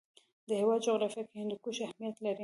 د هېواد جغرافیه کې هندوکش اهمیت لري.